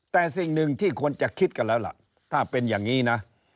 แต่สิ่งหนึ่งที่ควรจะคิดกันแล้วล่ะถ้าเป็นอย่างนี้นะ